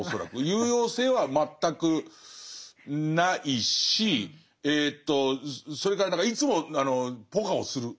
有用性は全くないしえとそれから何かいつもポカをする。